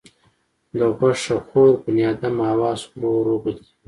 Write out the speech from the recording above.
د غوښه خور بنیادم حواس ورو ورو بدلېږي.